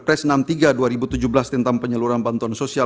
undang undang tiga belas dua ribu sebelas tentang penyeluruhan bantuan sosial